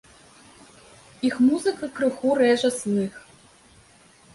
Іх музыка крыху рэжа слых.